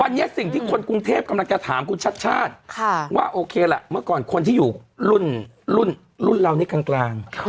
วันนี้สิ่งที่คนกรุงเทพกำลังจะถามคุณชัดชาติว่าโอเคล่ะเมื่อก่อนคนที่อยู่รุ่นเรานี่กลาง